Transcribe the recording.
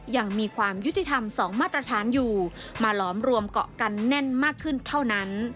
ยังมีความยุติธรรม๒มาตรฐานอยู่มาหลอมรวมเกาะกันแน่นมากขึ้นเท่านั้น